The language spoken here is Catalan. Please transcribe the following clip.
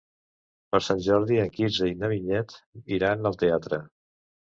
Per Sant Jordi en Quirze i na Vinyet iran al teatre.